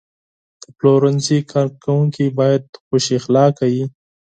د پلورنځي کارکوونکي باید خوش اخلاقه وي.